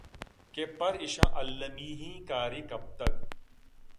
کہ پرایشاں المّی ئیں کارے کپتگ